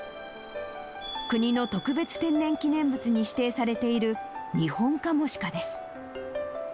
国の特別天然記念物に指定されているニホンカモシカです。